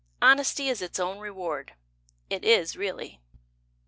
Honesty is its own reward It is really.